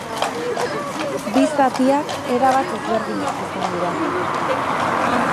Bi zatiak erabat ezberdinak izan dira.